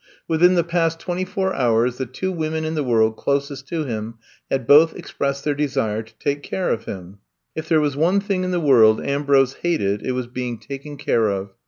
Within the past twenty four hours the twa women in the world closest to him had both expressed their desire to take care of him. If there was one thing in the world Ambrose hated it was being taken care of.